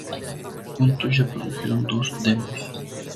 Juntos ya produjeron dos demos.